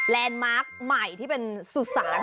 มาร์คใหม่ที่เป็นสุสาน